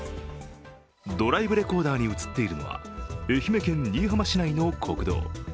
ドライブレコーダーに映っているのは、愛媛県新居浜市内の国道。